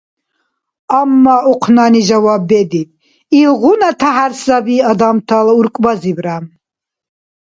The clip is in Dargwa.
Амма ухънани жаваб бедиб: — Илгъуна тяхӀяр саби адамтала уркӀбазибра.